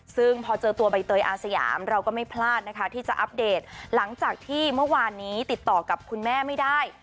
ซึ่งพอเจอตัวใบเตยอาสยามเราก็ไม่พลาดนะคะที่จะอัปเดตหลังจากที่เมื่อวานนี้ติดต่อกับคุณแม่ไม่ได้